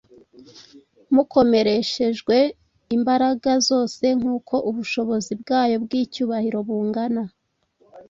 mukomereshejwe imbaraga zose nk’uko ubushobozi bwayo bw’icyubahiro bungana,